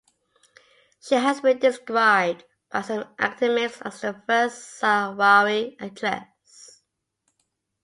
She has been described by some academics as the first Sahrawi actress.